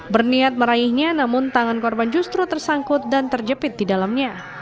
berniat meraihnya namun tangan korban justru tersangkut dan terjepit di dalamnya